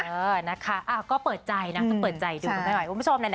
เออนะคะก็เปิดใจนะต้องเปิดใจดูกันไม่ไหวคุณผู้ชมนะ